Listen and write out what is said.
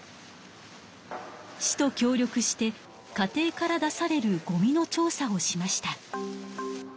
市と協力して家庭から出されるゴミの調査をしました。